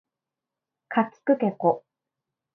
かきくけこ